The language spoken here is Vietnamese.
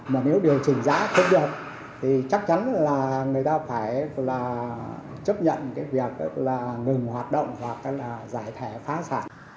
mà nếu điều chỉnh giá không được thì chắc chắn là người ta phải là chấp nhận cái việc là ngừng hoạt động hoặc là giải thể phá sản